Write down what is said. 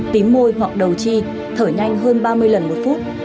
tím môi hoặc đầu chi thở nhanh hơn ba mươi lần một phút